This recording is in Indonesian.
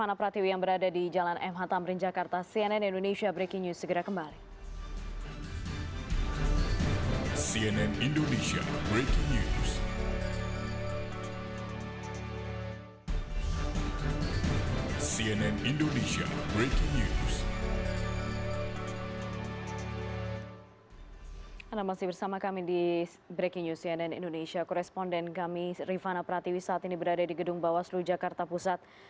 empat puluh tujuh orang ditangkap atas keributan yang terjadi di wilayah jakarta pusat